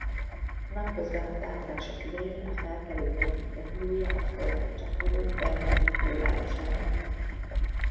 Napközben a támadások idején a felkelők egyik repülője a földnek csapódott Bengázi külvárosában.